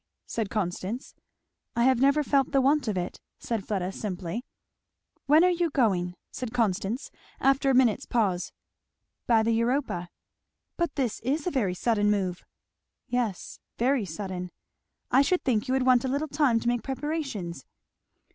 said Constance. "I have never felt the want of it," said Fleda simply. "When are you going?" said Constance after a minute's pause. "By the Europa." "But this is a very sudden move!" "Yes very sudden." "I should think you would want a little time to make preparations."